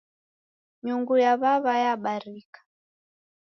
Nyungu ya w'aw'a yabarika